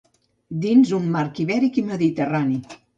dins un marc ibèric i mediterrani